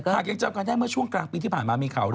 หากยังจะก็ได้เมื่อปีที่ผ่านมามีข่าว